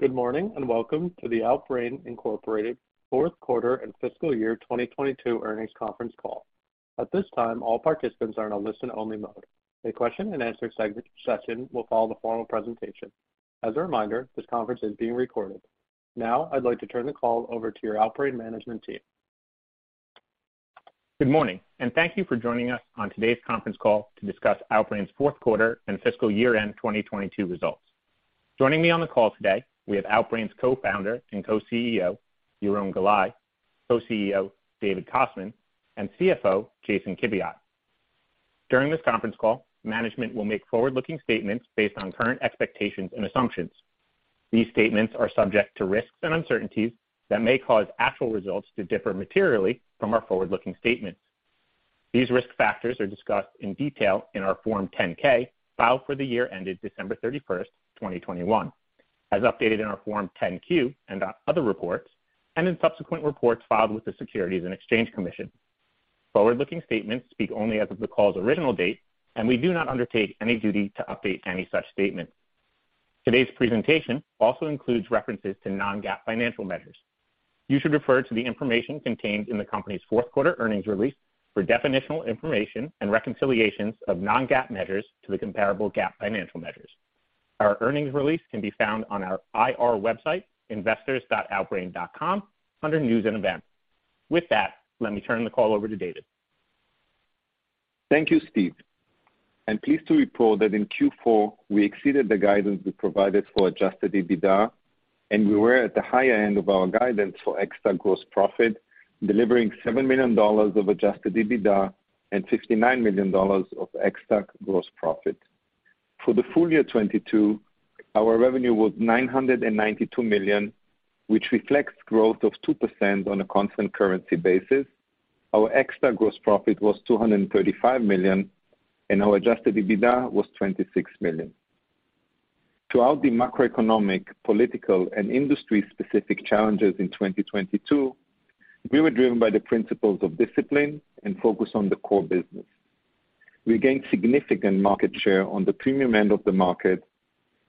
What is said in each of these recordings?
Good morning, welcome to the Outbrain Incorporated fourth quarter and fiscal year 2022 earnings conference call. At this time, all participants are in a listen-only mode. A question and answer session will follow the formal presentation. As a reminder, this conference is being recorded. I'd like to turn the call over to your Outbrain management team. Good morning, thank you for joining us on today's conference call to discuss Outbrain's fourth quarter and fiscal year-end 2022 results. Joining me on the call today we have Outbrain's Co-Founder and Co-CEO, Yaron Galai, Co-CEO, David Kostman, and CFO, Jason Kiviat. During this conference call, management will make forward-looking statements based on current expectations and assumptions. These statements are subject to risks and uncertainties that may cause actual results to differ materially from our forward-looking statements. These risk factors are discussed in detail in our Form 10-K, filed for the year ended December 31st, 2021, as updated in our Form 10-Q and other reports, and in subsequent reports filed with the Securities and Exchange Commission. Forward-looking statements speak only as of the call's original date, we do not undertake any duty to update any such statement. Today's presentation also includes references to non-GAAP financial measures. You should refer to the information contained in the company's fourth quarter earnings release for definitional information and reconciliations of non-GAAP measures to the comparable GAAP financial measures. Our earnings release can be found on our IR website, investors.outbrain.com, under News and Events. With that, let me turn the call over to David. Thank you, Steve. I'm pleased to report that in Q4, we exceeded the guidance we provided for adjusted EBITDA, and we were at the higher end of our guidance for Ex-TAC gross profit, delivering $7 million of adjusted EBITDA and $59 million of Ex-TAC gross profit. For the full year 2022, our revenue was $992 million, which reflects growth of 2% on a constant currency basis. Our Ex-TAC gross profit was $235 million, and our adjusted EBITDA was $26 million. Throughout the macroeconomic, political, and industry-specific challenges in 2022, we were driven by the principles of discipline and focus on the core business. We gained significant market share on the premium end of the market,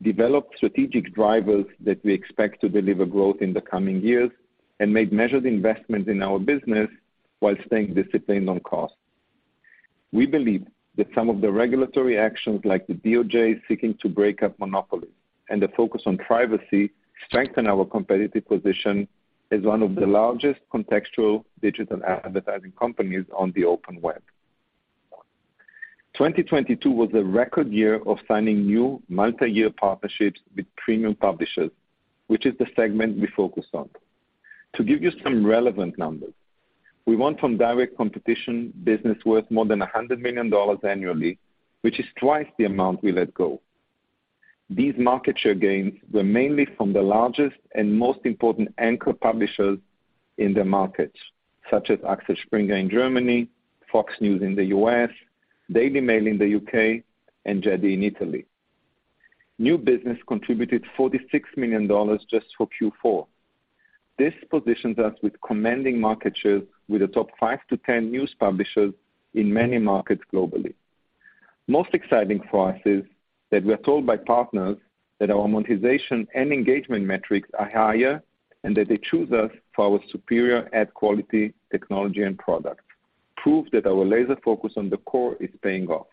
developed strategic drivers that we expect to deliver growth in the coming years, and made measured investments in our business while staying disciplined on cost. We believe that some of the regulatory actions like the DOJ seeking to break up monopolies and the focus on privacy strengthen our competitive position as one of the largest contextual digital advertising companies on the open web. 2022 was a record year of signing new multi-year partnerships with premium publishers, which is the segment we focused on. To give you some relevant numbers, we won from direct competition business worth more than $100 million annually, which is twice the amount we let go. These market share gains were mainly from the largest and most important anchor publishers in the market, such as Axel Springer in Germany, Fox News in the U.S., Daily Mail in the U.K., and GEDI in Italy. New business contributed $46 million just for Q4. This positions us with commanding market shares with the top 5-10 news publishers in many markets globally. Most exciting for us is that we are told by partners that our monetization and engagement metrics are higher and that they choose us for our superior ad quality, technology, and product. Proof that our laser focus on the core is paying off.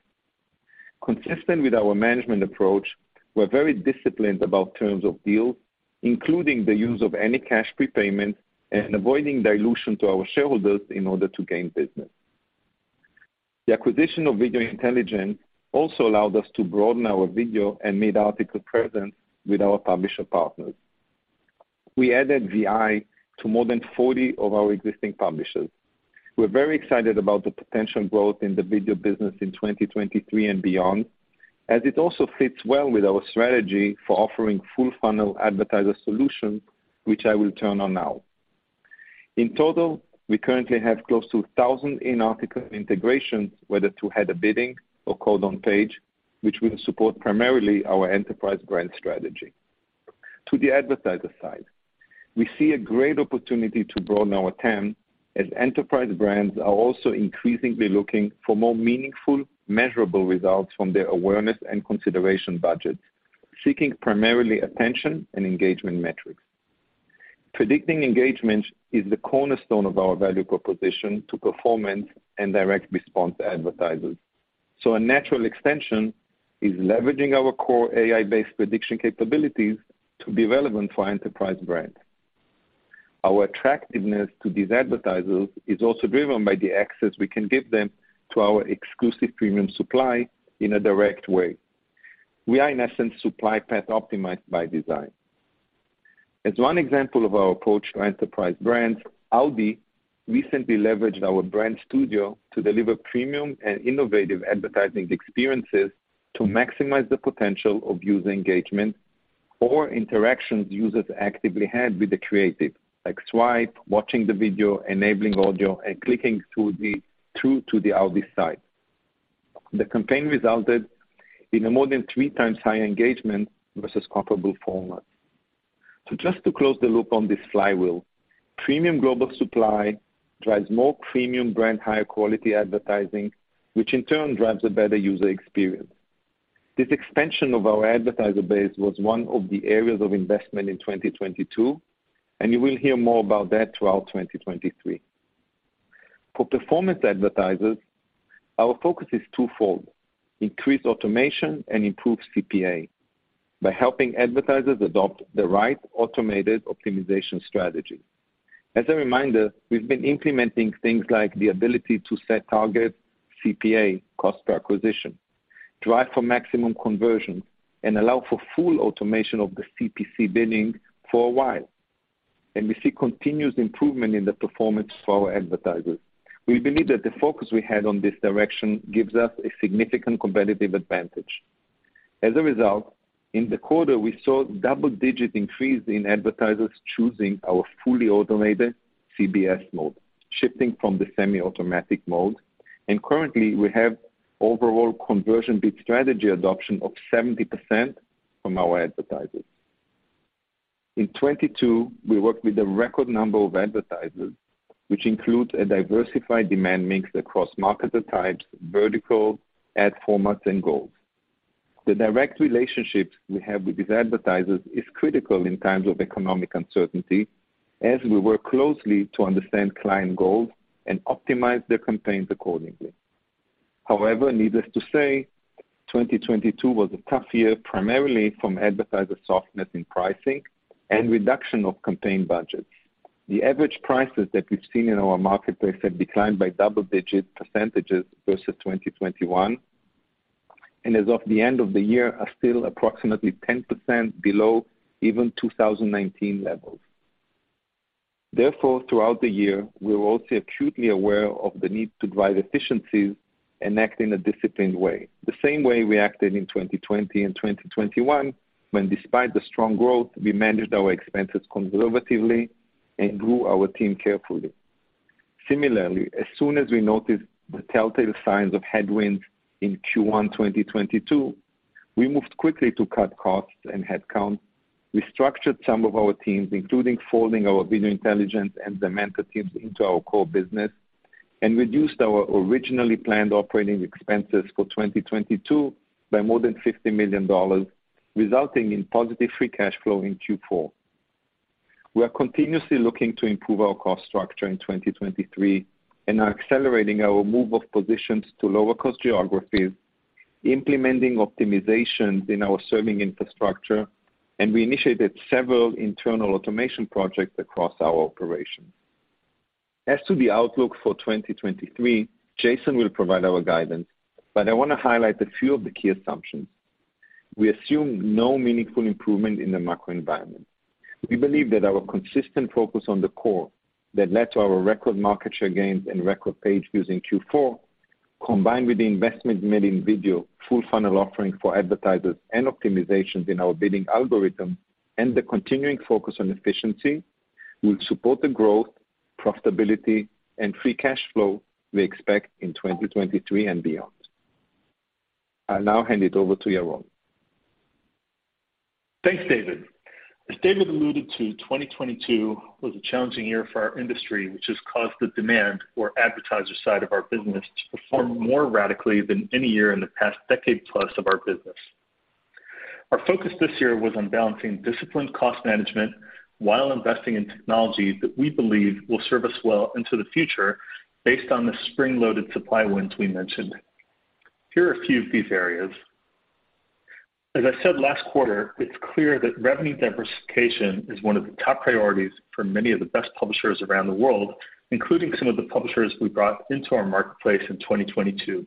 Consistent with our management approach, we're very disciplined about terms of deals, including the use of any cash prepayment and avoiding dilution to our shareholders in order to gain business. The acquisition of Video Intelligence also allowed us to broaden our video and made article presence with our publisher partners. We added VI to more than 40 of our existing publishers. We're very excited about the potential growth in the video business in 2023 and beyond, as it also fits well with our strategy for offering full funnel advertiser solution, which I will turn on now. In total, we currently have close to 1,000 in-article integrations, whether through header bidding or code on page, which will support primarily our enterprise brand strategy. To the advertiser side, we see a great opportunity to broaden our TAM, as enterprise brands are also increasingly looking for more meaningful, measurable results from their awareness and consideration budgets, seeking primarily attention and engagement metrics. Predicting engagement is the cornerstone of our value proposition to performance and direct response advertisers. A natural extension is leveraging our core AI-based prediction capabilities to be relevant for enterprise brand. Our attractiveness to these advertisers is also driven by the access we can give them to our exclusive premium supply in a direct way. We are, in essence, supply path optimized by design. As one example of our approach to enterprise brands, Audi recently leveraged our Brand Studio to deliver premium and innovative advertising experiences to maximize the potential of user engagement or interactions users actively had with the creative, like swipe, watching the video, enabling audio, and clicking through to the Audi site. The campaign resulted in a more than three times higher engagement versus comparable formats. Just to close the loop on this flywheel. Premium global supply drives more premium brand higher quality advertising, which in turn drives a better user experience. This expansion of our advertiser base was one of the areas of investment in 2022. You will hear more about that throughout 2023. For performance advertisers, our focus is twofold, increase automation and improve CPA by helping advertisers adopt the right automated optimization strategy. As a reminder, we've been implementing things like the ability to set target CPA cost per acquisition, drive for maximum conversion, and allow for full automation of the CPC bidding for a while. We see continuous improvement in the performance for our advertisers. We believe that the focus we had on this direction gives us a significant competitive advantage. As a result, in the quarter, we saw double-digit increase in advertisers choosing our fully automated CBS mode, shifting from the semi-automatic mode. Currently, we have overall conversion bid strategy adoption of 70% from our advertisers. In 2022, we worked with a record number of advertisers, which include a diversified demand mix across marketer types, vertical, ad formats, and goals. The direct relationships we have with these advertisers is critical in times of economic uncertainty as we work closely to understand client goals and optimize their campaigns accordingly. Needless to say, 2022 was a tough year, primarily from advertiser softness in pricing and reduction of campaign budgets. The average prices that we've seen in our marketplace have declined by double-digit percentages versus 2021, and as of the end of the year, are still approximately 10% below even 2019 levels. Throughout the year, we were also acutely aware of the need to drive efficiencies and act in a disciplined way. The same way we acted in 2020 and 2021, when despite the strong growth, we managed our expenses conservatively and grew our team carefully. Similarly, as soon as we noticed the telltale signs of headwinds in Q1 2022, we moved quickly to cut costs and headcount, restructured some of our teams, including folding our video intelligence and demand teams into our core business, and reduced our originally planned operating expenses for 2022 by more than $50 million, resulting in positive free cash flow in Q4. We are continuously looking to improve our cost structure in 2023 and are accelerating our move of positions to lower cost geographies, implementing optimizations in our serving infrastructure, and we initiated several internal automation projects across our operations. As to the outlook for 2023, Jason will provide our guidance, but I wanna highlight a few of the key assumptions. We assume no meaningful improvement in the macro environment. We believe that our consistent focus on the core that led to our record market share gains and record page using Q4, combined with the investment made in video, full funnel offering for advertisers, and optimizations in our bidding algorithm, and the continuing focus on efficiency, will support the growth, profitability, and free cash flow we expect in 2023 and beyond. I'll now hand it over to Yaron. Thanks, David. As David alluded to, 2022 was a challenging year for our industry, which has caused the demand or advertiser side of our business to perform more radically than any year in the past decade plus of our business. Our focus this year was on balancing disciplined cost management while investing in technologies that we believe will serve us well into the future based on the spring-loaded supply wins we mentioned. Here are a few of these areas. As I said last quarter, it's clear that revenue diversification is one of the top priorities for many of the best publishers around the world, including some of the publishers we brought into our marketplace in 2022.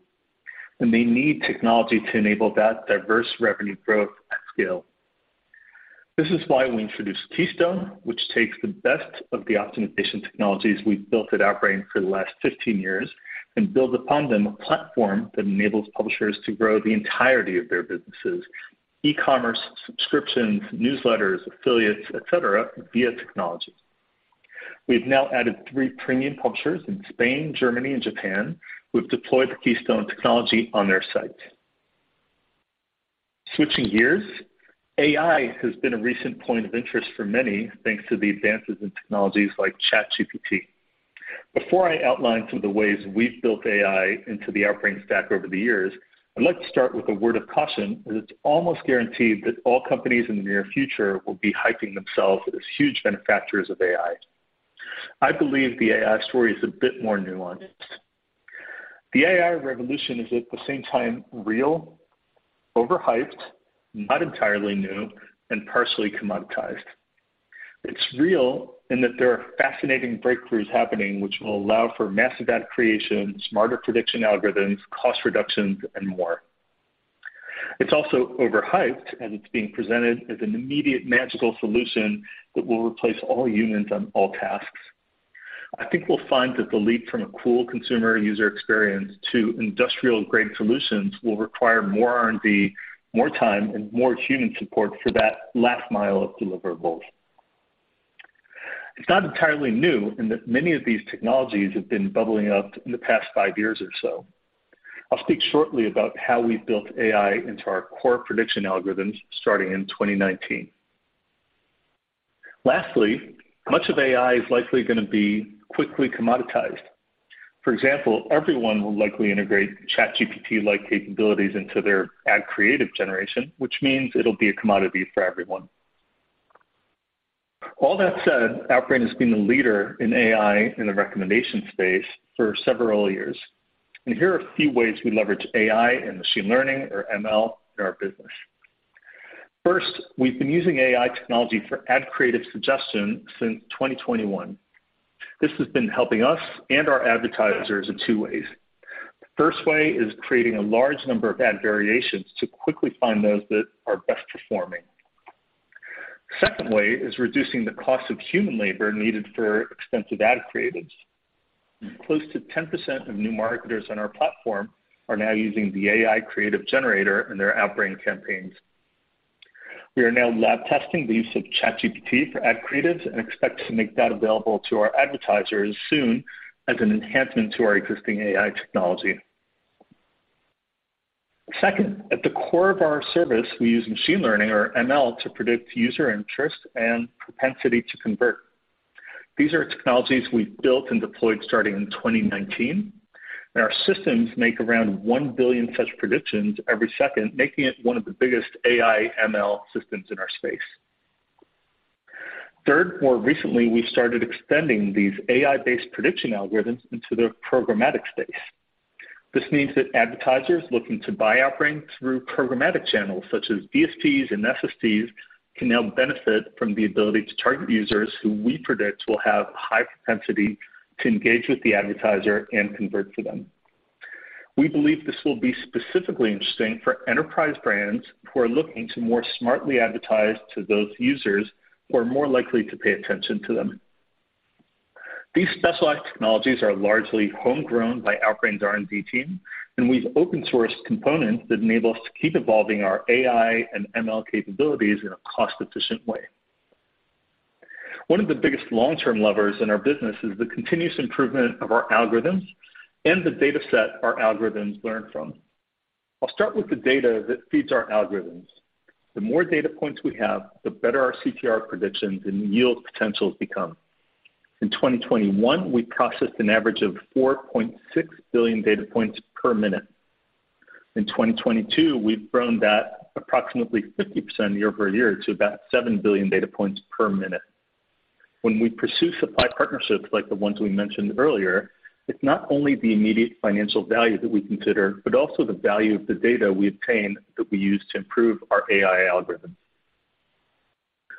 They need technology to enable that diverse revenue growth at scale. This is why we introduced Keystone, which takes the best of the optimization technologies we've built at Outbrain for the last 15 years and builds upon them a platform that enables publishers to grow the entirety of their businesses, e-commerce, subscriptions, newsletters, affiliates, et cetera, via technology. We've now added three premium publishers in Spain, Germany, and Japan who have deployed the Keystone technology on their site. Switching gears, AI has been a recent point of interest for many, thanks to the advances in technologies like ChatGPT. Before I outline some of the ways we've built AI into the Outbrain stack over the years, I'd like to start with a word of caution, as it's almost guaranteed that all companies in the near future will be hyping themselves as huge manufacturers of AI. I believe the AI story is a bit more nuanced. The AI revolution is at the same time real, overhyped, not entirely new, and partially commoditized. It's real in that there are fascinating breakthroughs happening which will allow for massive ad creation, smarter prediction algorithms, cost reductions, and more. It's also overhyped, it's being presented as an immediate magical solution that will replace all humans on all tasks. I think we'll find that the leap from a cool consumer user experience to industrial-grade solutions will require more R&D, more time, and more human support for that last mile of deliverables. It's not entirely new in that many of these technologies have been bubbling up in the past five years or so. I'll speak shortly about how we've built AI into our core prediction algorithms starting in 2019. Lastly, much of AI is likely gonna be quickly commoditized. For example, everyone will likely integrate ChatGPT-like capabilities into their ad creative generation, which means it'll be a commodity for everyone. All that said, Outbrain has been the leader in AI in the recommendation space for several years, and here are a few ways we leverage AI and machine learning or ML in our business. First, we've been using AI technology for ad creative suggestion since 2021. This has been helping us and our advertisers in two ways. The first way is creating a large number of ad variations to quickly find those that are best performing. The second way is reducing the cost of human labor needed for expensive ad creatives. Close to 10% of new marketers on our platform are now using the AI creative generator in their Outbrain campaigns. We are now lab testing the use of ChatGPT for ad creatives and expect to make that available to our advertisers soon as an enhancement to our existing AI technology. Second, at the core of our service, we use machine learning or ML to predict user interest and propensity to convert. These are technologies we've built and deployed starting in 2019, and our systems make around 1 billion such predictions every second, making it one of the biggest AI ML systems in our space. Third, more recently, we started extending these AI-based prediction algorithms into the programmatic space. This means that advertisers looking to buy Outbrain through programmatic channels such as DSPs and SSPs can now benefit from the ability to target users who we predict will have high propensity to engage with the advertiser and convert to them. We believe this will be specifically interesting for enterprise brands who are looking to more smartly advertise to those users who are more likely to pay attention to them. These specialized technologies are largely homegrown by Outbrain's R&D team. We've open-sourced components that enable us to keep evolving our AI and ML capabilities in a cost-efficient way. One of the biggest long-term levers in our business is the continuous improvement of our algorithms and the dataset our algorithms learn from. I'll start with the data that feeds our algorithms. The more data points we have, the better our CTR predictions and yield potentials become. In 2021, we processed an average of 4.6 billion data points per minute. In 2022, we've grown that approximately 50% year-over-year to about 7 billion data points per minute. When we pursue supply partnerships like the ones we mentioned earlier, it's not only the immediate financial value that we consider, but also the value of the data we obtain that we use to improve our AI algorithms.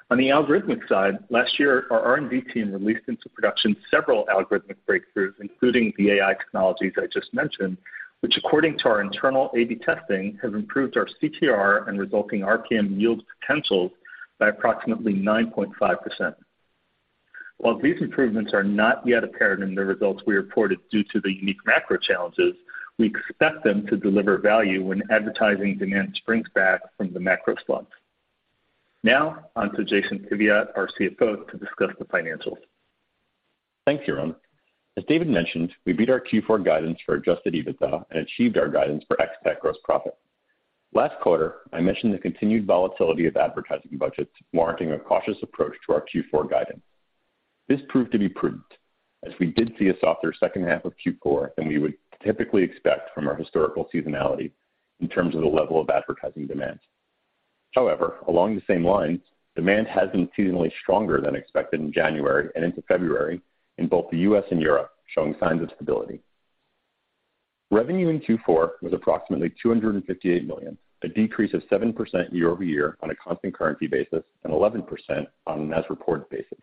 On the algorithmic side, last year, our R&D team released into production several algorithmic breakthroughs, including the AI technologies I just mentioned, which according to our internal A/B testing, have improved our CTR and resulting RPM yield potentials by approximately 9.5%. While these improvements are not yet apparent in the results we reported due to the unique macro challenges, we expect them to deliver value when advertising demand springs back from the macro slump. On to Jason Kiviat, our CFO, to discuss the financials. Thanks, Yaron. As David mentioned, we beat our Q4 guidance for adjusted EBITDA and achieved our guidance for Ex-TAC gross profit. Last quarter, I mentioned the continued volatility of advertising budgets warranting a cautious approach to our Q4 guidance. This proved to be prudent, as we did see a softer second half of Q4 than we would typically expect from our historical seasonality in terms of the level of advertising demand. However, along the same lines, demand has been seasonally stronger than expected in January and into February in both the U.S. and Europe, showing signs of stability. Revenue in Q4 was approximately $258 million, a decrease of 7% year-over-year on a constant currency basis, and 11% on an as-reported basis.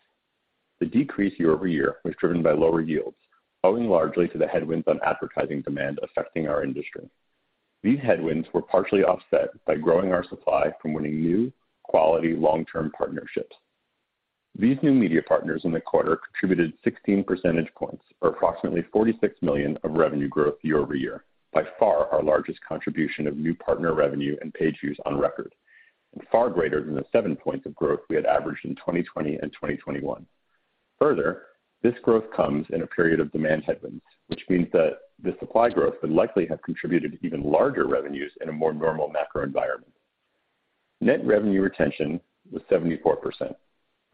The decrease year-over-year was driven by lower yields, owing largely to the headwinds on advertising demand affecting our industry. These headwinds were partially offset by growing our supply from winning new, quality long-term partnerships. These new media partners in the quarter contributed 16 percentage points, or approximately $46 million of revenue growth year-over-year. By far our largest contribution of new partner revenue and page views on record, and far greater than the 7 points of growth we had averaged in 2020 and 2021. Further, this growth comes in a period of demand headwinds, which means that the supply growth would likely have contributed even larger revenues in a more normal macro environment. Net revenue retention was 74%,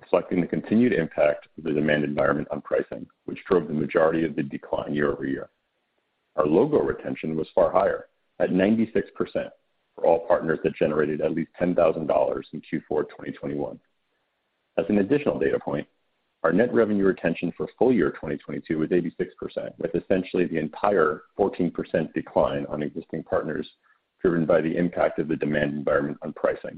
reflecting the continued impact of the demand environment on pricing, which drove the majority of the decline year-over-year. Our logo retention was far higher at 96% for all partners that generated at least $10,000 in Q4 2021. As an additional data point, our net revenue retention for full year 2022 was 86%, with essentially the entire 14% decline on existing partners driven by the impact of the demand environment on pricing,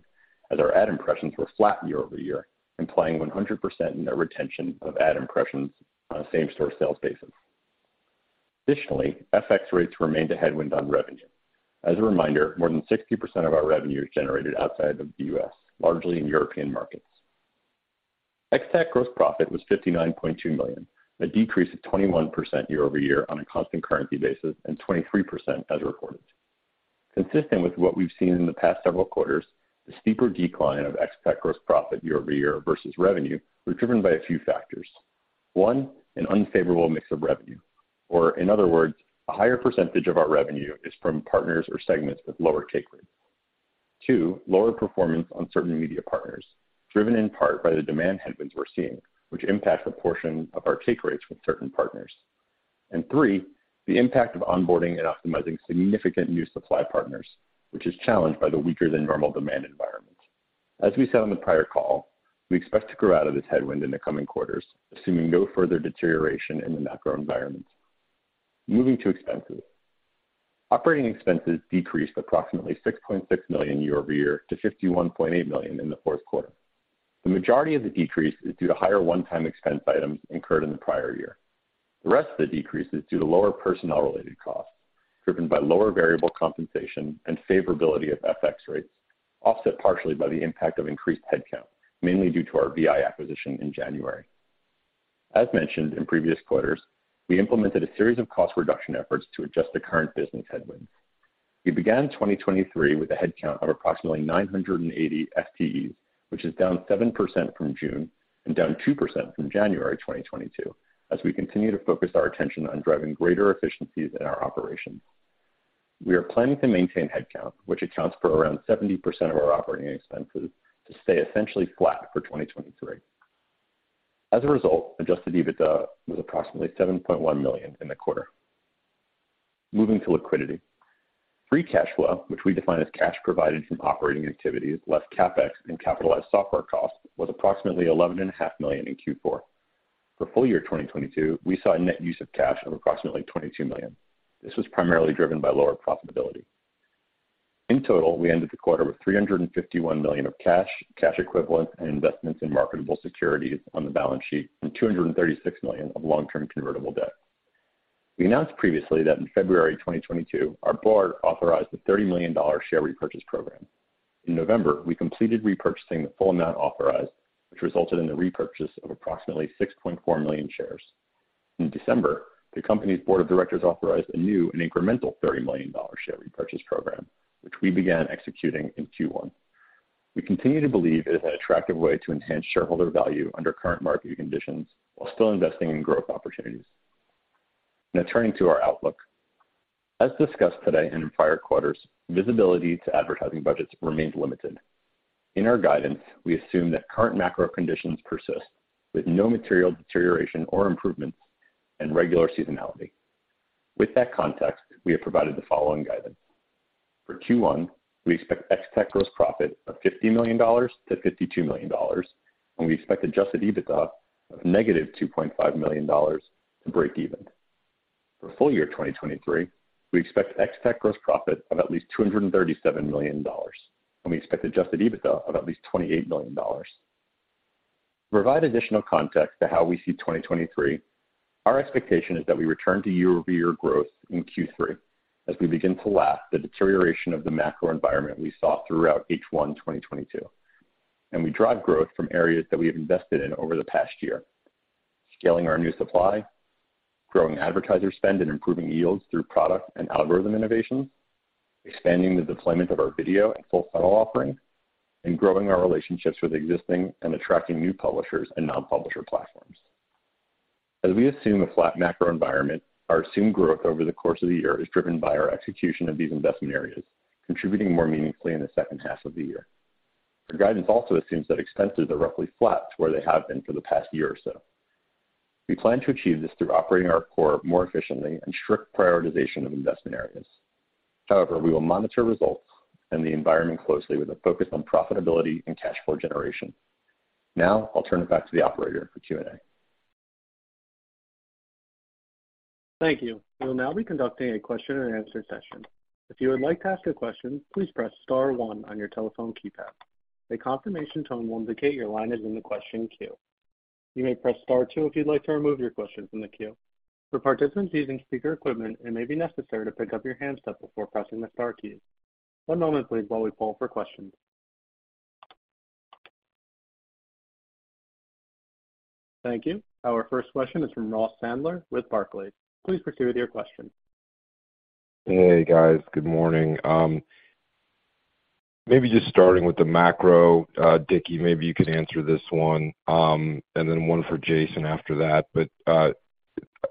as our ad impressions were flat year-over-year, implying 100% net retention of ad impressions on a same store sales basis. Additionally, FX rates remained a headwind on revenue. As a reminder, more than 60% of our revenue is generated outside of the U.S., largely in European markets. Ex-TAC gross profit was $59.2 million, a decrease of 21% year-over-year on a constant currency basis, and 23% as reported. Consistent with what we've seen in the past several quarters, the steeper decline of Ex-TAC gross profit year-over-year versus revenue were driven by a few factors. One, an unfavorable mix of revenue, or in other words, a higher % of our revenue is from partners or segments with lower take rates. Two, lower performance on certain media partners, driven in part by the demand headwinds we're seeing, which impact the portion of our take rates with certain partners. Three, the impact of onboarding and optimizing significant new supply partners, which is challenged by the weaker than normal demand environment. As we said on the prior call, we expect to grow out of this headwind in the coming quarters, assuming no further deterioration in the macro environment. Moving to expenses. OpEx decreased approximately $6.6 million year-over-year to $51.8 million in the fourth quarter. The majority of the decrease is due to higher one-time expense items incurred in the prior year. The rest of the decrease is due to lower personnel-related costs, driven by lower variable compensation and favorability of FX rates, offset partially by the impact of increased headcount, mainly due to our VI acquisition in January. As mentioned in previous quarters, we implemented a series of cost reduction efforts to adjust to current business headwinds. We began 2023 with a headcount of approximately 980 FTEs, which is down 7% from June and down 2% from January 2022, as we continue to focus our attention on driving greater efficiencies in our operations. We are planning to maintain headcount, which accounts for around 70% of our operating expenses, to stay essentially flat for 2023. As a result, adjusted EBITDA was approximately $7.1 million in the quarter. Moving to liquidity. Free cash flow, which we define as cash provided from operating activities, less CapEx and capitalized software costs, was approximately $11.5 million in Q4. For full year 2022, we saw a net use of cash of approximately $22 million. This was primarily driven by lower profitability. In total, we ended the quarter with $351 million of cash equivalent, and investments in marketable securities on the balance sheet and $236 million of long-term convertible debt. We announced previously that in February 2022, our board authorized a $30 million share repurchase program. In November, we completed repurchasing the full amount authorized, which resulted in the repurchase of approximately 6.4 million shares. In December, the company's board of directors authorized a new and incremental $30 million share repurchase program, which we began executing in Q1. We continue to believe it is an attractive way to enhance shareholder value under current market conditions while still investing in growth opportunities. Turning to our outlook. As discussed today and in prior quarters, visibility to advertising budgets remains limited. In our guidance, we assume that current macro conditions persist with no material deterioration or improvements and regular seasonality. With that context, we have provided the following guidance. For Q1, we expect Ex-TAC gross profit of $50 million to $52 million, and we expect adjusted EBITDA of -$2.5 million to break even. For full year 2023, we expect Ex-TAC gross profit of at least $237 million, and we expect adjusted EBITDA of at least $28 million. To provide additional context to how we see 2023, our expectation is that we return to year-over-year growth in Q3 as we begin to lap the deterioration of the macro environment we saw throughout H1 2022, and we drive growth from areas that we have invested in over the past year, scaling our new supply, growing advertiser spend, and improving yields through product and algorithm innovation, expanding the deployment of our video and full funnel offering, and growing our relationships with existing and attracting new publishers and non-publisher platforms. As we assume a flat macro environment, our assumed growth over the course of the year is driven by our execution of these investment areas, contributing more meaningfully in the second half of the year. Our guidance also assumes that expenses are roughly flat to where they have been for the past year or so. We plan to achieve this through operating our core more efficiently and strict prioritization of investment areas. We will monitor results and the environment closely with a focus on profitability and cash flow generation. I'll turn it back to the operator for Q&A. Thank you. We'll now be conducting a question and answer session. If you would like to ask a question, please press star one on your telephone keypad. A confirmation tone will indicate your line is in the question queue. You may press star two if you'd like to remove your question from the queue. For participants using speaker equipment, it may be necessary to pick up your handset before pressing the star key. One moment please while we poll for questions. Thank you. Our first question is from Ross Sandler with Barclays. Please proceed with your question. Hey, guys. Good morning. Maybe just starting with the macro, Dickie, maybe you could answer this one, and then one for Jason after that.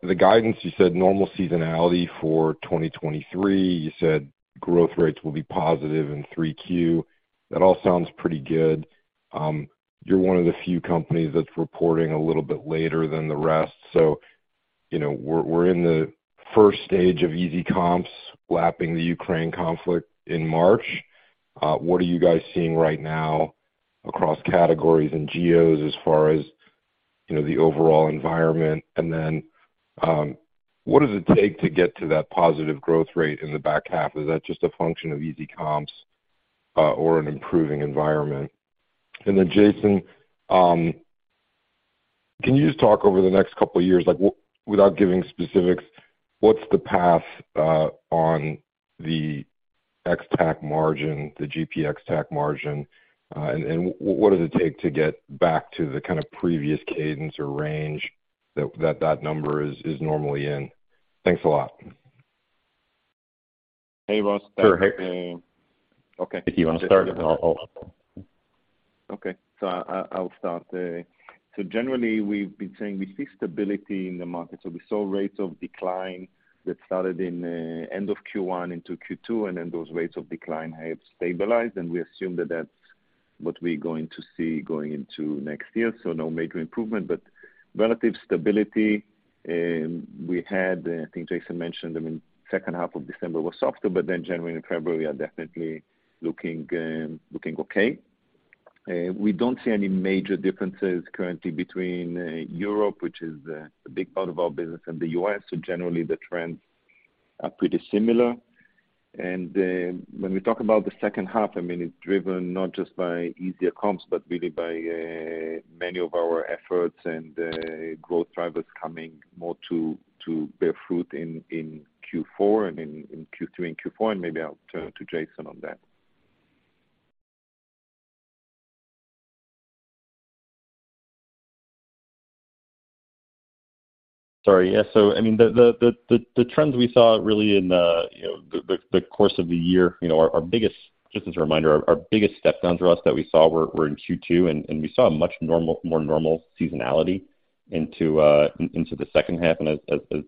The guidance, you said normal seasonality for 2023. You said growth rates will be positive in 3Q. That all sounds pretty good. You're one of the few companies that's reporting a little bit later than the rest, so, you know, we're in the first stage of easy comps lapping the Ukraine conflict in March. What are you guys seeing right now across categories and geos as far as, you know, the overall environment? What does it take to get to that positive growth rate in the back half? Is that just a function of easy comps or an improving environment? Jason, can you just talk over the next couple of years, like without giving specifics, what's the path, on the Ex-TAC margin, the GP Ex-TAC margin? What does it take to get back to the kind of previous cadence or range? That number is normally in. Thanks a lot. Hey, Ross. Sure. Okay. If you wanna start. I'll start. Generally, we've been saying we see stability in the market. We saw rates of decline that started in end of Q1 into Q2, those rates of decline have stabilized, we assume that that's what we're going to see going into next year. No major improvement, but relative stability. We had, I think Jason mentioned, I mean, second half of December was softer, January and February are definitely looking looking okay. We don't see any major differences currently between Europe, which is a big part of our business, and the U.S.. Generally the trends are pretty similar. When we talk about the second half, I mean, it's driven not just by easier comps, but really by, many of our efforts and, growth drivers coming more to bear fruit in Q4, I mean, in Q3 and Q4, and maybe I'll turn to Jason on that. Sorry. Yeah. I mean, the trends we saw really in, you know, the course of the year, you know, our biggest. Just as a reminder, our biggest step down for us that we saw were in Q2, and we saw a much normal, more normal seasonality into the second half. As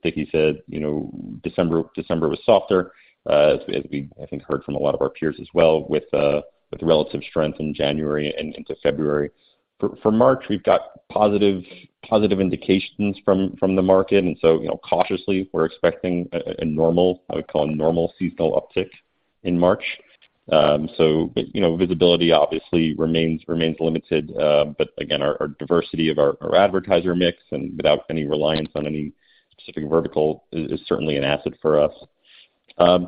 Dickie said, you know, December was softer, as we, I think, heard from a lot of our peers as well with relative strength in January and into February. For March, we've got positive indications from the market. You know, cautiously, we're expecting a normal, I would call a normal seasonal uptick in March. You know, visibility obviously remains limited, but again, our diversity of our advertiser mix and without any reliance on any specific vertical is certainly an asset for us.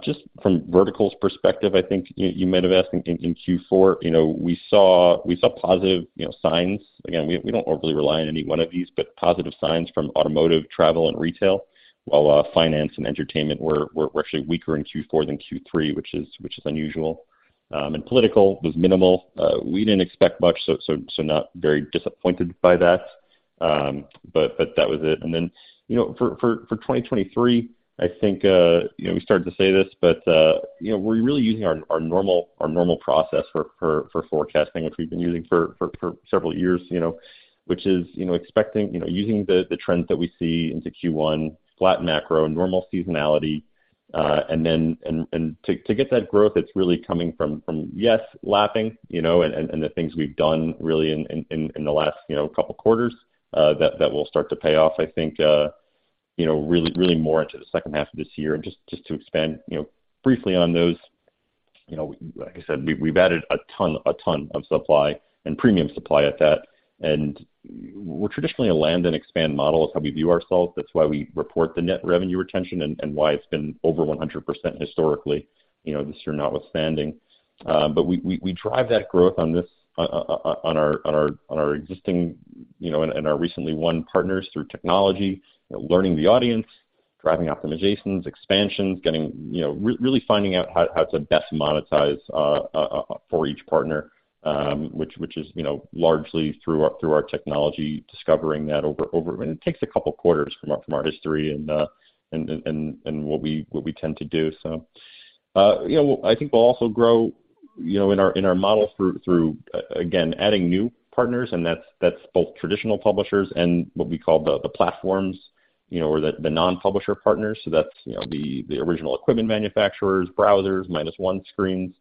Just from verticals perspective, I think you might have asked in Q4, you know, we saw positive, you know, signs. Again, we don't overly rely on any one of these, but positive signs from automotive, travel, and retail, while finance and entertainment were actually weaker in Q4 than Q3, which is unusual. And political was minimal. We didn't expect much, so not very disappointed by that. But that was it. You know, for 2023, I think, you know, we started to say this, but, you know, we're really using our normal process for forecasting, which we've been using for several years, you know, which is, you know, expecting, you know, using the trends that we see into Q1, flat macro, normal seasonality. And to get that growth, it's really coming from, yes, lapping, you know, and the things we've done really in the last, you know, couple quarters, that will start to pay off, I think, you know, really more into the second half of this year. Just to expand, you know, briefly on those, you know, like I said, we've added a ton of supply and premium supply at that. We're traditionally a land and expand model is how we view ourselves. That's why we report the net revenue retention and why it's been over 100% historically, you know, this year notwithstanding. We drive that growth on this, on our existing, you know, and our recently won partners through technology, learning the audience, driving optimizations, expansions, getting, you know, really finding out how to best monetize for each partner, which is, you know, largely through our technology, discovering that over... It takes a couple quarters from our history and what we tend to do so. You know, I think we'll also grow, you know, in our model through again, adding new partners, and that's both traditional publishers and what we call the platforms, you know, or the non-publisher partners. That's, you know, the original equipment manufacturers, browsers, minus one screens.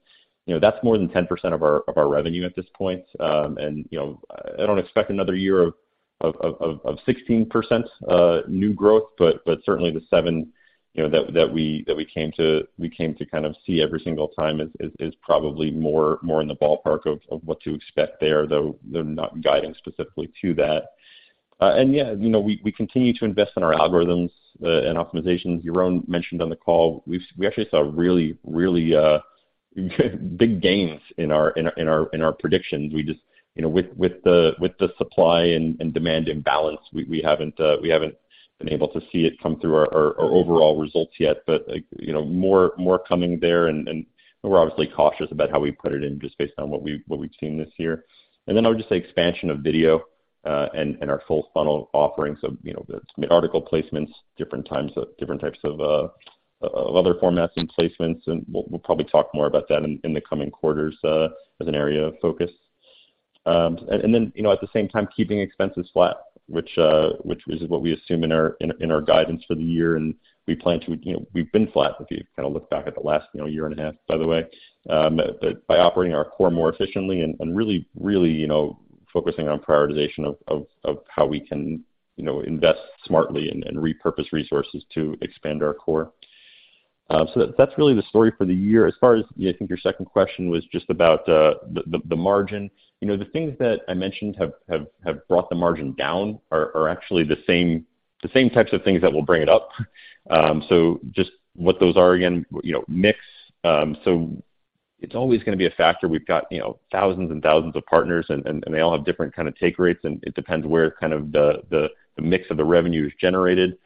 You know, that's more than 10% of our revenue at this point. You know, I don't expect another year of 16% new growth, but certainly the 7, you know, that we came to kind of see every single time is probably more in the ballpark of what to expect there, though they're not guiding specifically to that. Yeah, you know, we continue to invest in our algorithms and optimizations. Yaron mentioned on the call, we actually saw really big gains in our predictions. We just, you know, with the supply and demand imbalance, we haven't been able to see it come through our overall results yet. you know, more coming there and we're obviously cautious about how we put it in just based on what we've seen this year. I'll just say expansion of video and our full funnel offerings of, you know, the mid-article placements, different types of other formats and placements, and we'll probably talk more about that in the coming quarters as an area of focus. And then, you know, at the same time keeping expenses flat, which is what we assume in our guidance for the year, and we plan to, you know, we've been flat if you kind of look back at the last, you know, year and a half, by the way. By operating our core more efficiently and really, you know, focusing on prioritization of how we can, you know, invest smartly and repurpose resources to expand our core. That's really the story for the year. As far as, yeah, I think your second question was just about the margin. You know, the things that I mentioned have brought the margin down are actually the same types of things that will bring it up. Just what those are again, you know, mix. It's always gonna be a factor. We've got, you know, thousands and thousands of partners and they all have different kind of take rates, and it depends where kind of the mix of the revenue is generated.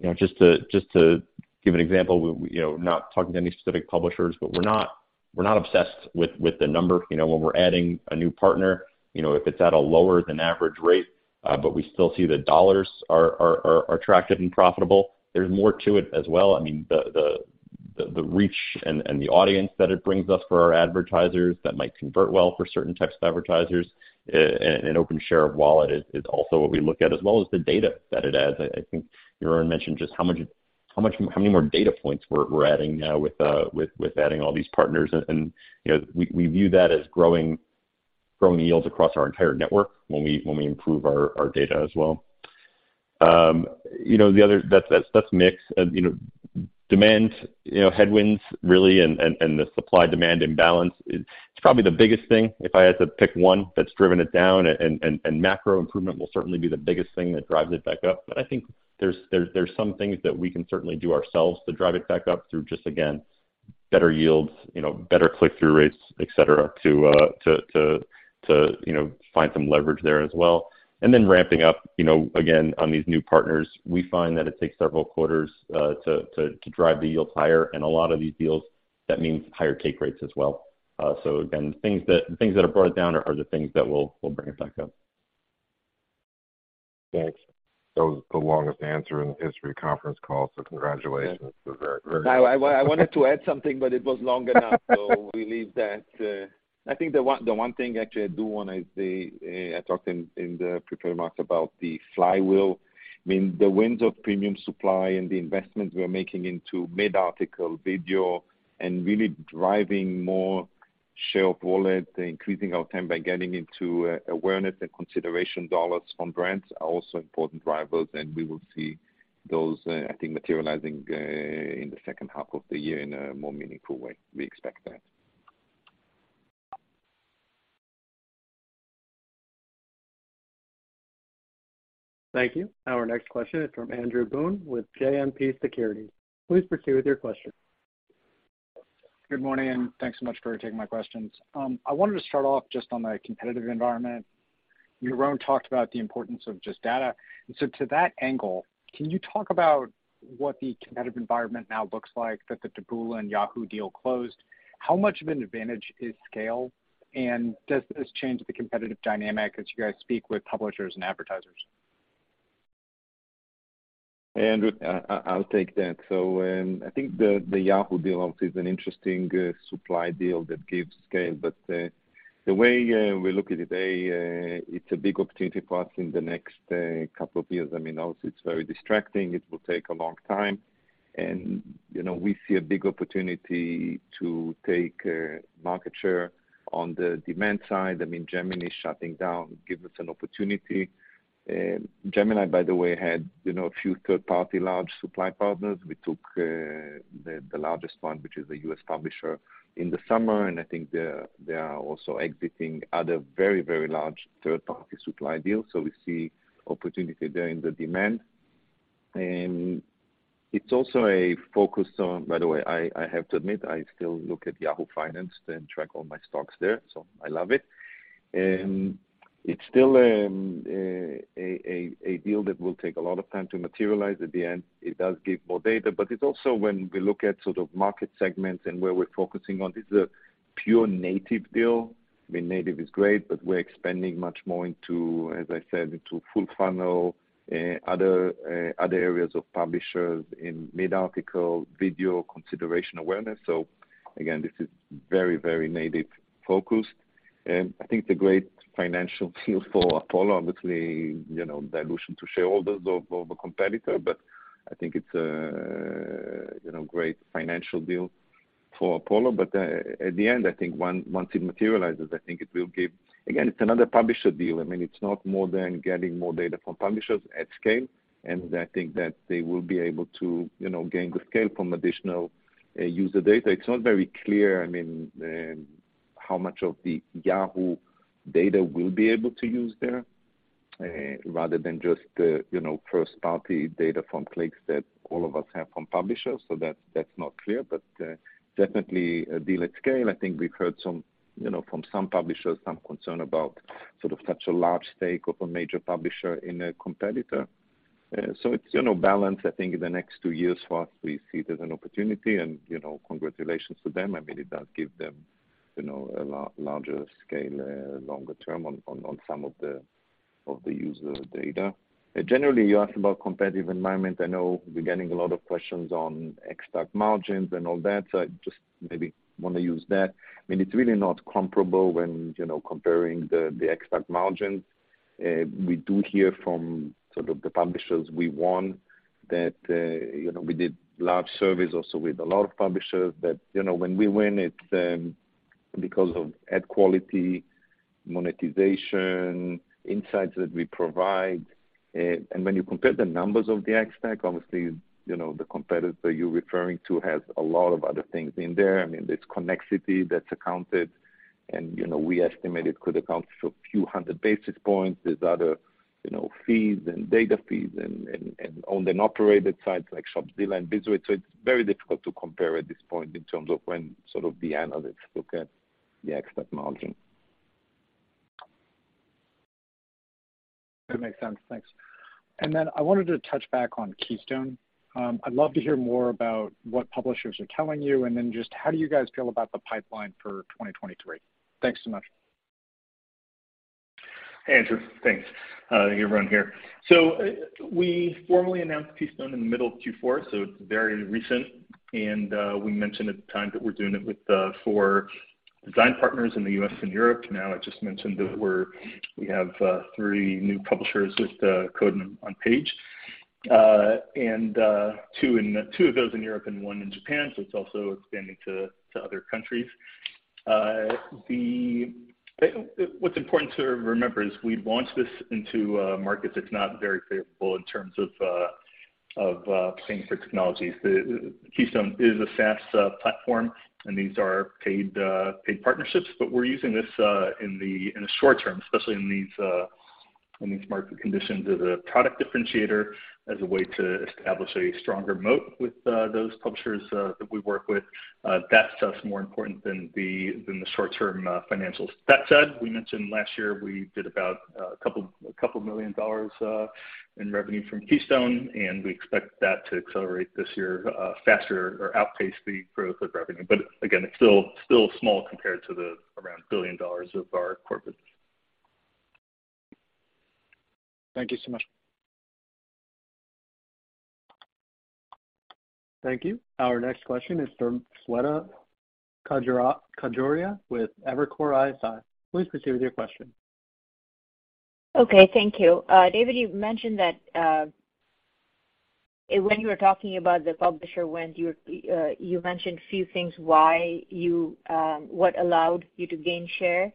You know, just to give an example, we, you know, not talking to any specific publishers, but we're not obsessed with the number, you know, when we're adding a new partner. You know, if it's at a lower than average rate, but we still see the dollars are attractive and profitable. There's more to it as well. I mean, the reach and the audience that it brings us for our advertisers that might convert well for certain types of advertisers, and open share of wallet is also what we look at as well as the data that it adds. I think Yaron mentioned just how many more data points we're adding now with adding all these partners. You know, we view that as growing yields across our entire network when we improve our data as well. You know, that's mix. You know, demand, you know, headwinds really, and the supply-demand imbalance is probably the biggest thing, if I had to pick one that's driven it down and macro improvement will certainly be the biggest thing that drives it back up. I think there's some things that we can certainly do ourselves to drive it back up through just, again, better yields, you know, better click-through rates, et cetera, to, you know, find some leverage there as well. Then ramping up, you know, again, on these new partners, we find that it takes several quarters to drive the yields higher. A lot of these deals, that means higher take rates as well. Again, things that have brought it down are the things that will bring it back up. Thanks. That was the longest answer in the history of conference calls, congratulations. You're very, very. No. I wanted to add something, but it was long enough. We leave that. I think the one thing actually I do wanna say, I talked in the prepared remarks about the flywheel. I mean, the wins of premium supply and the investments we are making into mid-article video and really driving more share of wallet, increasing our time by getting into awareness and consideration dollars from brands are also important drivers, and we will see those, I think materializing in the second half of the year in a more meaningful way. We expect that. Thank you. Our next question is from Andrew Boone with JMP Securities. Please proceed with your question. Good morning. Thanks so much for taking my questions. I wanted to start off just on the competitive environment. Yaron talked about the importance of just data. To that angle, can you talk about what the competitive environment now looks like that the Taboola and Yahoo deal closed? How much of an advantage is scale? Does this change the competitive dynamic as you guys speak with publishers and advertisers? Andrew, I'll take that. I think the Yahoo deal obviously is an interesting supply deal that gives scale. The way we look at it's a big opportunity for us in the next couple of years. I mean, also it's very distracting. It will take a long time. You know, we see a big opportunity to take market share on the demand side. I mean, Gemini shutting down gives us an opportunity. Gemini, by the way, had, you know, a few third-party large supply partners. We took the largest one, which is a U.S. publisher in the summer, and I think they are also exiting other very, very large third-party supply deals. We see opportunity there in the demand. It's also a focus on. By the way, I have to admit, I still look at Yahoo Finance and track all my stocks there, so I love it. It's still a deal that will take a lot of time to materialize. At the end, it does give more data. It's also when we look at sort of market segments and where we're focusing on, this is a pure native deal. I mean, native is great, but we're expanding much more into, as I said, into full funnel, other areas of publishers in mid-article video consideration awareness. Again, this is very, very native focused. I think the great financial deal for Apollo, obviously, you know, dilution to shareholders of a competitor, but I think it's, you know, great financial deal for Apollo. At the end, I think once it materializes, I think. Again, it's another publisher deal. I mean, it's not more than getting more data from publishers at scale. I think that they will be able to, you know, gain good scale from additional user data. It's not very clear, I mean, how much of the Yahoo data we'll be able to use there, rather than just, you know, first-party data from clicks that all of us have from publishers. That's not clear. Definitely a deal at scale. I think we've heard some, you know, from some publishers, some concern about sort of such a large stake of a major publisher in a competitor. So it's, you know, balanced. I think in the next two years for us, we see it as an opportunity. You know, congratulations to them. I mean, it does give them, you know, a larger scale, longer term on some of the user data. Generally, you ask about competitive environment. I know we're getting a lot of questions on Ex-TAC margins and all that, so I just maybe wanna use that. I mean, it's really not comparable when, you know, comparing the Ex-TAC margins. We do hear from sort of the publishers we won that, you know, we did large surveys also with a lot of publishers that, you know, when we win, it's because of ad quality, monetization, insights that we provide. When you compare the numbers of the Ex-TAC, obviously, you know, the competitor you're referring to has a lot of other things in there. I mean, there's Connexity that's accounted and, you know, we estimate it could account for a few hundred basis points. There's other, you know, fees and data fees and owned and operated sites like Shopzilla and Bizrate. It's very difficult to compare at this point in terms of when sort of the analysts look at the Ex-TAC margin. That makes sense. Thanks. I wanted to touch back on Keystone. I'd love to hear more about what publishers are telling you, and then just how do you guys feel about the pipeline for 2023? Thanks so much. Hey, Andrew. Thanks. Yaron here. We formally announced Keystone in the middle of Q4, so it's very recent. We mentioned at the time that we're doing it with four design partners in the U.S. and Europe. Now, I just mentioned that we have three new publishers with code on page, and two of those in Europe and 1 in Japan. It's also expanding to other countries. What's important to remember is we launched this into a market that's not very favorable in terms of paying for technologies. The Keystone is a SaaS platform, and these are paid partnerships. We're using this in the short term, especially in these market conditions, as a product differentiator, as a way to establish a stronger moat with those publishers that we work with. That's just more important than the short term financials. That said, we mentioned last year we did about a couple million dollars in revenue from Keystone, and we expect that to accelerate this year faster or outpace the growth of revenue. Again, it's still small compared to the around $1 billion of our corporate. Thank you so much. Thank you. Our next question is from Shweta Khajuria with Evercore ISI. Please proceed with your question. Okay, thank you. David, you mentioned that when you were talking about the publisher wins, you mentioned a few things why you, what allowed you to gain share,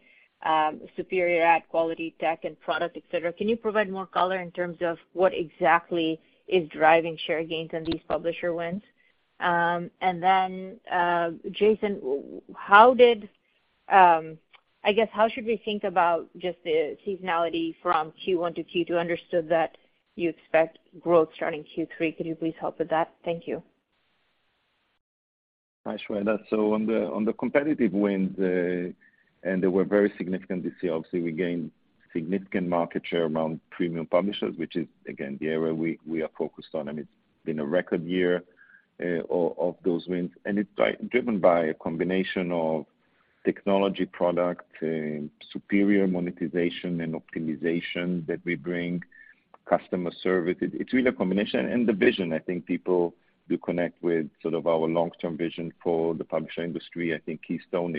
superior ad quality, tech and product, et cetera. Can you provide more color in terms of what exactly is driving share gains on these publisher wins? Jason, how did I guess, how should we think about just the seasonality from Q1 to Q2? Understood that you expect growth starting Q3. Could you please help with that? Thank you. Hi, Shweta. On the competitive wins, and they were very significant this year. Obviously, we gained significant market share around premium publishers, which is again, the area we are focused on. I mean, it's been a record year of those wins, and it's driven by a combination of technology products, superior monetization and optimization that we bring, customer service. It's really a combination and the vision. I think people do connect with sort of our long-term vision for the publisher industry. I think Keystone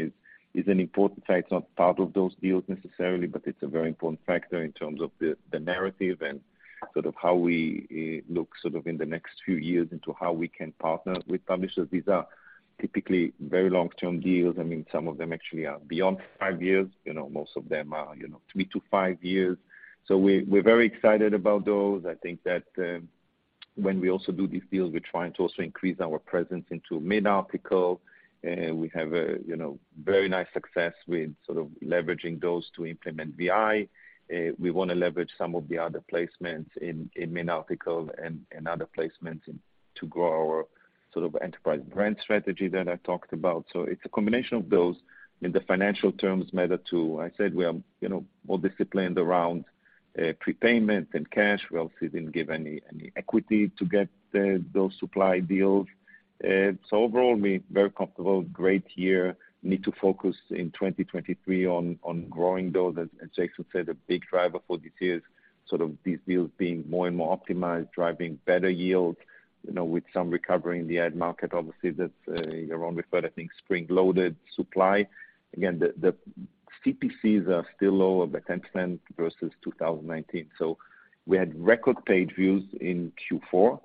is an important site. It's not part of those deals necessarily, but it's a very important factor in terms of the narrative and how we look in the next few years into how we can partner with publishers. These are typically very long-term deals. I mean, some of them actually are beyond five years. You know, most of them are, you know, three to five years. We're very excited about those. I think that, when we also do these deals, we're trying to also increase our presence into mid-article. We have a, you know, very nice success with sort of leveraging those to implement BI. We want to leverage some of the other placements in mid-article and other placements in to grow our sort of enterprise brand strategy that I talked about. It's a combination of those. In the financial terms, meta too. I said, we are, you know, more disciplined around prepayment and cash. We also didn't give any equity to get those supply deals. Overall, we very comfortable. Great year. Need to focus in 2023 on growing those. As Jason said, a big driver for this year is sort of these deals being more and more optimized, driving better yield, you know, with some recovery in the ad market. Obviously, that's Yaron referred, I think, spring-loaded supply. Again, the CPCs are still lower by 10% versus 2019. We had record page views in Q4.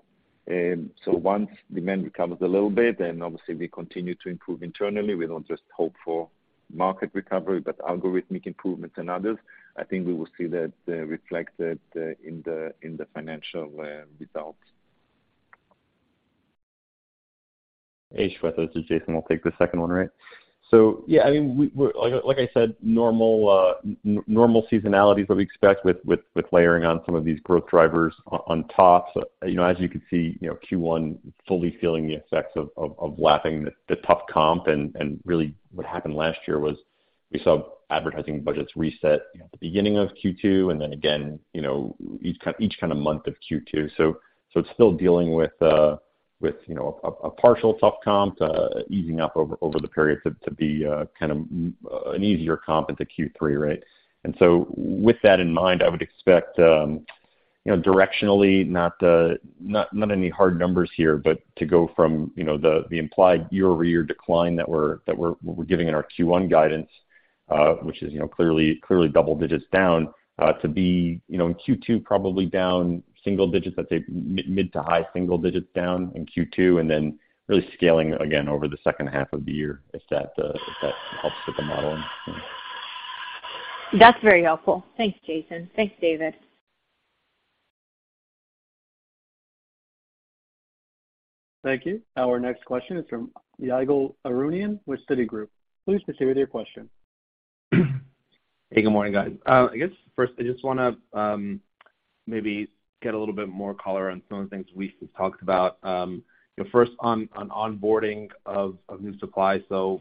Once demand recovers a little bit, then obviously we continue to improve internally. We don't just hope for market recovery, but algorithmic improvements and others. I think we will see that reflected in the financial results. Hey, Shweta. This is Jason. We'll take the second one, right? Yeah, I mean, we're Like I said, normal seasonality is what we expect with layering on some of these growth drivers on top. You know, as you can see, you know, Q1 fully feeling the effects of lapping the tough comp. Really what happened last year was we saw advertising budgets reset at the beginning of Q2, and then again, you know, each kind of month of Q2. It's still dealing with, you know, a partial tough comp, easing up over the period to be kind of an easier comp into Q3, right? With that in mind, I would expect, you know, directionally, not any hard numbers here, but to go from, you know, the implied year-over-year decline that we're giving in our Q1 guidance, which is, you know, clearly double digits down, to be, you know, in Q2, probably down single digits, I'd say mid to high single digits down in Q2, and then really scaling again over the second half of the year. If that helps with the modeling. That's very helpful. Thanks, Jason. Thanks, David. Thank you. Our next question is from Ygal Arounian with Citigroup. Please proceed with your question. Hey, good morning, guys. I guess first I just wanna, maybe get a little bit more color on some of the things we've talked about. First on onboarding of new supply. You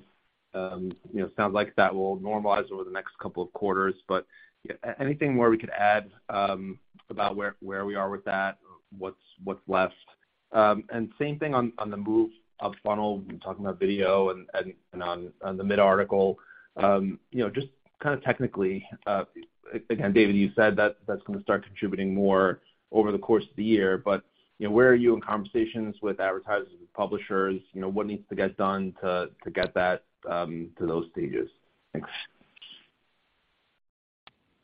know, sounds like that will normalize over the next couple of quarters. Anything more we could add about where we are with that or what's left? Same thing on the move up funnel. You're talking about video and on the mid-article. You know, just kind of technically, again, David, you said that that's gonna start contributing more over the course of the year, but, you know, where are you in conversations with advertisers and publishers? You know, what needs to get done to get that to those stages? Thanks.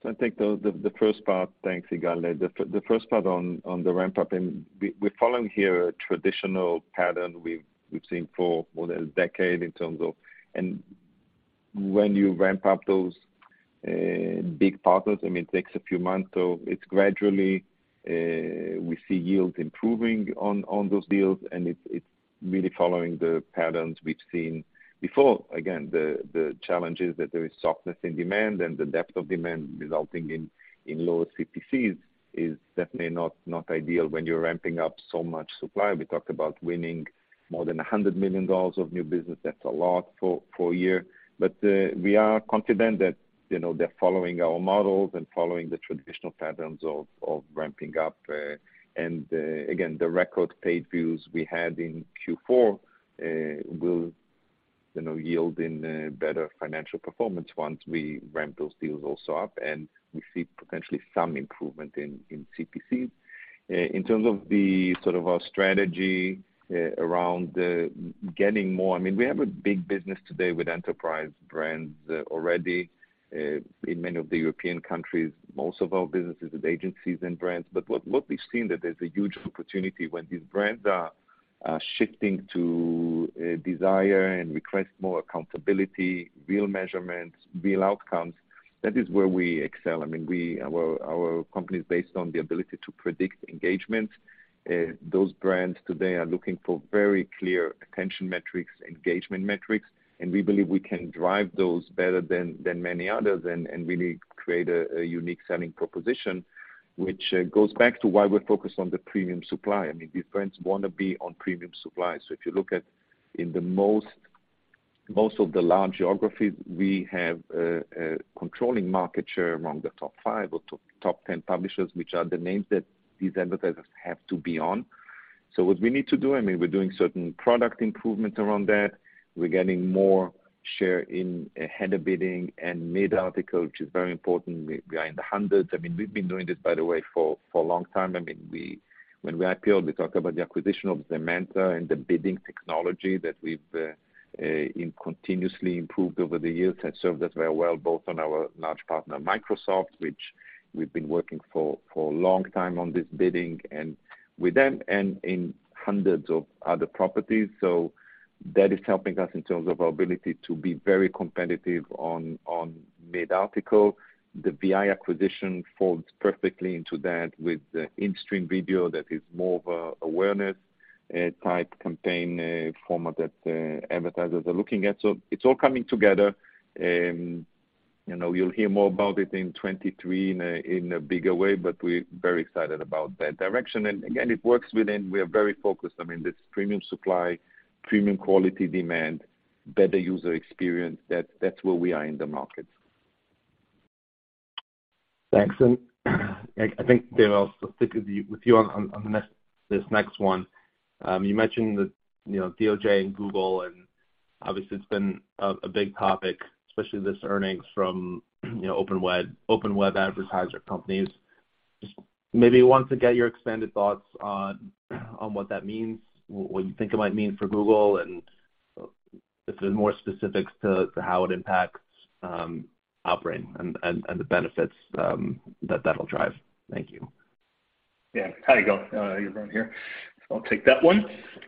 I'll take the first part. Thanks, Ygal. The first part on the ramp-up, and we're following here a traditional pattern we've seen for more than a decade in terms of. When you ramp up those big partners, I mean, it takes a few months. It's gradually we see yields improving on those deals, and it's really following the patterns we've seen before. Again, the challenges that there is softness in demand and the depth of demand resulting in lower CPCs is definitely not ideal when you're ramping up so much supply. We talked about winning more than $100 million of new business. That's a lot for a year. We are confident that, you know, they're following our models and following the traditional patterns of ramping up. Again, the record page views we had in Q4 will, you know, yield in a better financial performance once we ramp those deals also up, and we see potentially some improvement in CPC. In terms of the sort of our strategy around getting more... I mean, we have a big business today with enterprise brands already in many of the European countries. Most of our business is with agencies and brands. What we've seen that there's a huge opportunity when these brands are shifting to desire and request more accountability, real measurements, real outcomes, that is where we excel. I mean, our company is based on the ability to predict engagement. Those brands today are looking for very clear attention metrics, engagement metrics, and we believe we can drive those better than many others and really create a unique selling proposition, which goes back to why we're focused on the premium supply. I mean, these brands wanna be on premium supply. If you look at in most of the large geographies, we have controlling market share among the top 5 or top 10 publishers, which are the names that these advertisers have to be on. What we need to do, I mean, we're doing certain product improvement around that. We're getting more share in header bidding and mid-article, which is very important. We are in the hundreds. I mean, we've been doing this, by the way, for a long time. I mean, when we IPO-ed, we talked about the acquisition of Zemanta and the bidding technology that we've continuously improved over the years. That served us very well, both on our large partner, Microsoft, which we've been working for a long time on this bidding, and with them and in hundreds of other properties. That is helping us in terms of our ability to be very competitive on mid-article. The vi acquisition folds perfectly into that with in-stream video that is more of a awareness type campaign format that advertisers are looking at. It's all coming together. You know, you'll hear more about it in 2023 in a bigger way, but we're very excited about that direction. Again, it works within... We are very focused. I mean, this premium supply, premium quality demand, better user experience, that's where we are in the market. Thanks. I think, David, I'll stick with you on this next one. You mentioned the, you know, DOJ and Google, and obviously it's been a big topic, especially this earnings from, you know, open web advertiser companies. Just maybe want to get your expanded thoughts on what that means, what you think it might mean for Google, and if there's more specifics to how it impacts Outbrain and the benefits that that'll drive? Thank you. Yeah. Hi, Ygal. Yaron here. I'll take that one.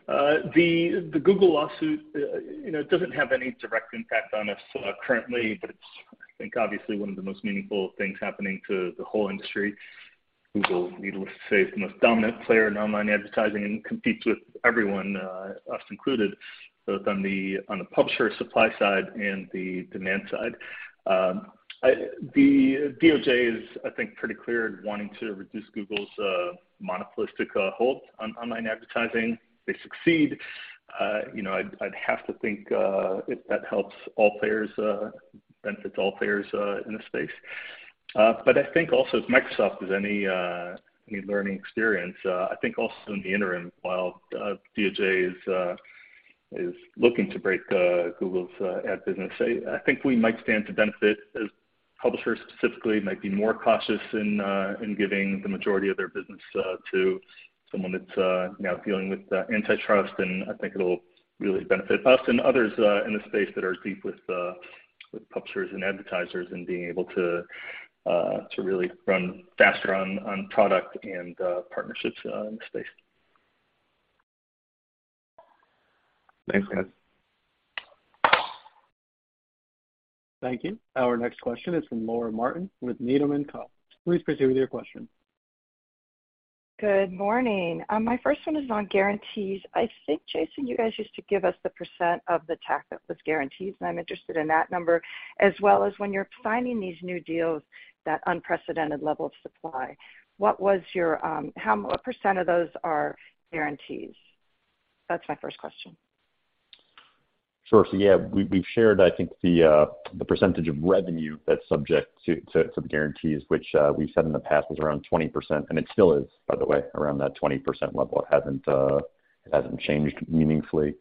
The Google lawsuit, you know, it doesn't have any direct impact on us currently, but it's, I think, obviously one of the most meaningful things happening to the whole industry. Google, needless to say, is the most dominant player in online advertising and competes with everyone, us included, both on the publisher supply side and the demand side. The DOJ is, I think, pretty clear in wanting to reduce Google's monopolistic hold on online advertising. They succeed, you know, I'd have to think, if that helps all players, benefits all players in the space. I think also if Microsoft is any learning experience, I think also in the interim, while DOJ is looking to break Google's ad business, I think we might stand to benefit as publishers specifically might be more cautious in giving the majority of their business to someone that's now dealing with antitrust. I think it'll really benefit us and others in the space that are deep with publishers and advertisers and being able to really run faster on product and partnerships in the space. Thanks, guys. Thank you. Our next question is from Laura Martin with Needham & Co. Please proceed with your question. Good morning. My first one is on guarantees. I think, Jason, you guys used to give us the percent of the TAC that was guaranteed, so I'm interested in that number. As well as when you're signing these new deals, that unprecedented level of supply, what was your what % of those are guarantees? That's my first question. Sure. Yeah, we've shared, I think, the percentage of revenue that's subject to the guarantees, which we've said in the past was around 20%, and it still is, by the way, around that 20% level. It hasn't, it hasn't changed meaningfully.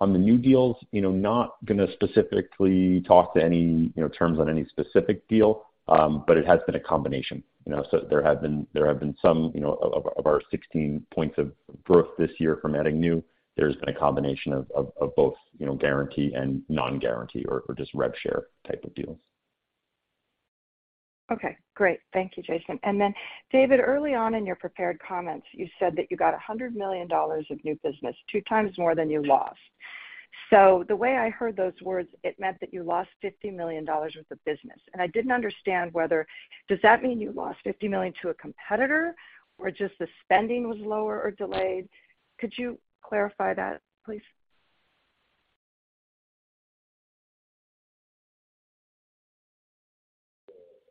On the new deals, you know, not gonna specifically talk to any, you know, terms on any specific deal, but it has been a combination. You know, there have been, there have been some, you know, of our 16 points of growth this year from adding new. There's been a combination of both, you know, guarantee and non-guarantee or just rev share type of deals. Okay, great. Thank you, Jason. David, early on in your prepared comments, you said that you got $100 million of new business, two times more than you lost. The way I heard those words, it meant that you lost $50 million worth of business, and I didn't understand. Does that mean you lost $50 million to a competitor or just the spending was lower or delayed? Could you clarify that, please?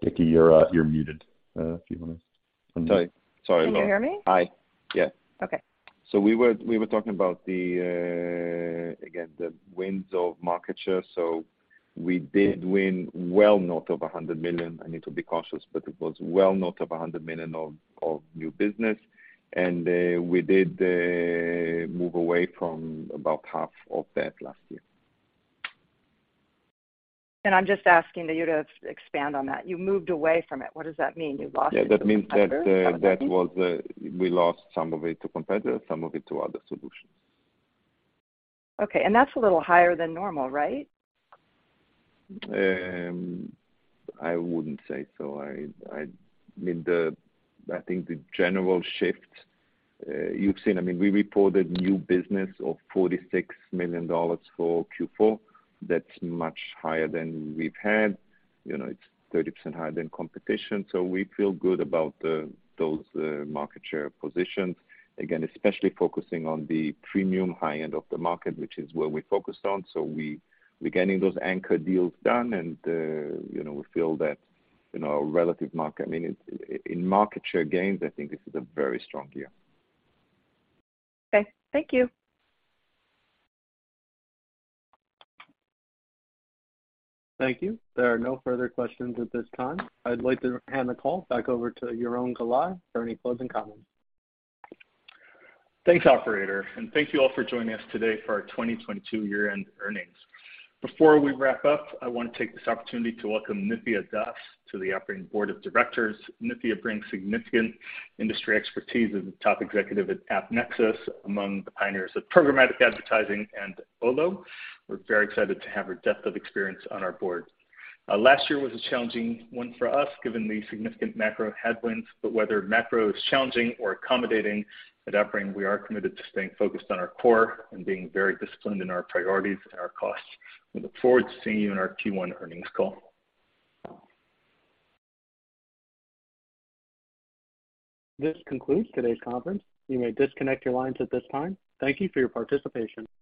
Dickie, you're muted. Sorry. Sorry about that. Can you hear me? Hi. Yeah. Okay. We were talking about the again, the wins of market share. We did win well north of $100 million. I need to be cautious, but it was well north of $100 million of new business. We did move away from about half of that last year. I'm just asking you to expand on that. You moved away from it. What does that mean? You lost it to a competitor, probably? Yeah, that means that, we lost some of it to competitors, some of it to other solutions. Okay. That's a little higher than normal, right? I wouldn't say so. I mean, the... I think the general shift, you've seen. I mean, we reported new business of $46 million for Q4. That's much higher than we've had. You know, it's 30% higher than competition. We feel good about those market share positions, again, especially focusing on the premium high end of the market, which is where we're focused on. We, we're getting those anchor deals done, and, you know, we feel that, you know, relative market... I mean, it's in market share gains, I think this is a very strong year. Okay. Thank you. Thank you. There are no further questions at this time. I'd like to hand the call back over to Yaron Galai for any closing comments. Thanks, operator. Thank you all for joining us today for our 2022 year-end earnings. Before we wrap up, I wanna take this opportunity to welcome Nithya Das to the operating board of directors. Nithya brings significant industry expertise as a top executive at AppNexus, among the pioneers of programmatic advertising and Olo. We're very excited to have her depth of experience on our board. Last year was a challenging one for us given the significant macro headwinds. Whether macro is challenging or accommodating, at AppNexus, we are committed to staying focused on our core and being very disciplined in our priorities and our costs. We look forward to seeing you on our Q1 earnings call. This concludes today's conference. You may disconnect your lines at this time. Thank you for your participation.